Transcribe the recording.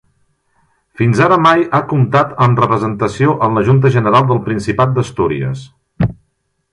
Fins ara mai ha comptat amb representació en la Junta General del Principat d'Astúries.